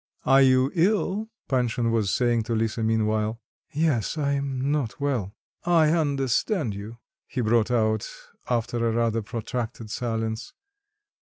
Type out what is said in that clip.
"Are you ill?" Panshin was saying to Lisa meanwhile. "Yes, I am not well." "I understand you," he brought out after a rather protracted silence.